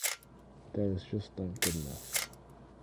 That is just not good enough.